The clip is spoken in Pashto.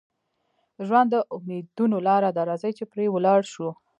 ژوند د امیدونو لاره ده، راځئ چې پرې ولاړ شو.